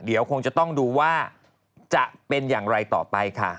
เดี๋ยวคงจะต้องดูว่าจะเป็นอย่างไรต่อไปค่ะ